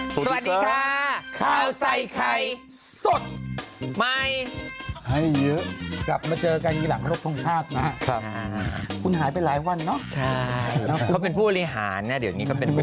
สวัสดีค่ะข้าวใส่ไข่สดใหม่ให้เยอะกลับมาเจอกันหลังโรคภูมิภาพนะครับคุณหายไปหลายวันเนาะใช่เขาเป็นผู้